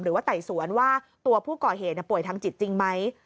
ไต่สวนว่าตัวผู้ก่อเหตุป่วยทางจิตจริงไหม